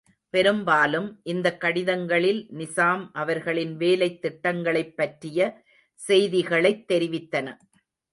பெரும்பாலும், இந்தக் கடிதங்களில் நிசாம் அவர்களின் வேலைத் திட்டங்களைப் பற்றிய செய்திகளைத் தெரிவித்தன.